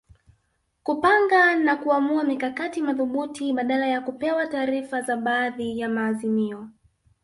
Kupanga na kuamua mikakati madhubuti badala ya kupewa taarifa za baadhi ya maazimio